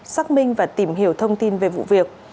xác minh và tìm hiểu thông tin về vụ việc